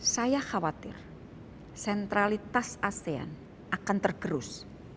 saya khawatir sentralitas asean akan tergerus